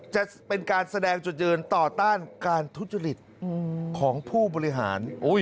จะเป็นการแสดงจุดยืนต่อต้านการทุจริตของผู้บริหาร